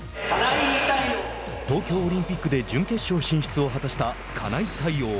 東京オリンピックで準決勝進出を果たした金井大旺。